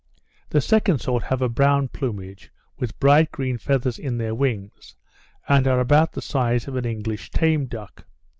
The second sort have a brown plumage, with bright green feathers in their wings, and are about the size of an English tame duck.